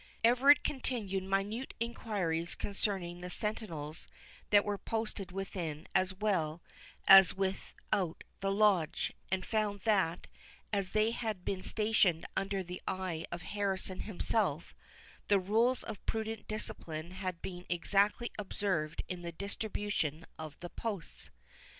Everard continued minute enquiries concerning the sentinels that were posted within as well as without the Lodge; and found that, as they had been stationed under the eye of Harrison himself, the rules of prudent discipline had been exactly observed in the distribution of the posts.